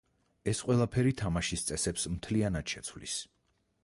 ეს ყველაფერი თამაშის წესებს მთლიანად შეცვლის.